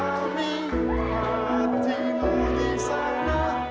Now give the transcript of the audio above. untuk memahami hatimu di sana